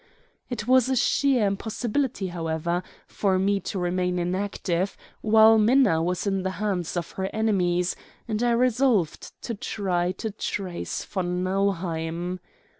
It was a sheer impossibility, however, for me to remain inactive while Minna was in the hands of her enemies, and I resolved to try to trace von Nauheim.